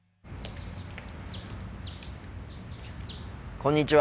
こんにちは。